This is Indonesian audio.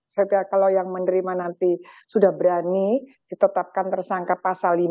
sehingga kalau yang menerima nanti sudah berani ditetapkan tersangka pasal lima